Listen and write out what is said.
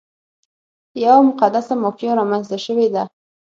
یوه مقدسه مافیا رامنځته شوې ده.